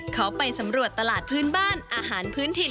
เขาไปสำรวจตลาดพื้นบ้านอาหารพื้นถิ่น